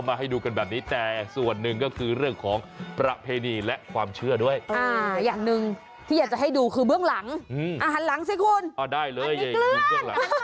มาหันหลังสิคุณอันนี้เกลือดนะคะอ๋อได้เลยเย้